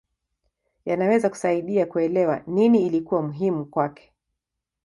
Yanaweza kusaidia kuelewa nini ilikuwa muhimu kwake.